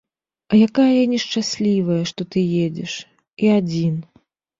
А якая я нешчаслівая, што ты едзеш, і адзін.